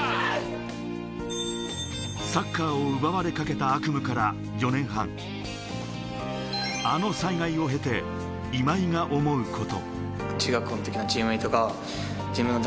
サッカーを奪われかけた悪夢から４年半、あの災害を経て、今井が思うこと。